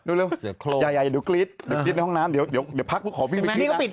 ดูอย่าดูกรี๊ดดูกรี๊ดในห้องน้ำเดี๋ยวพักขอพี่ไปกรี๊ด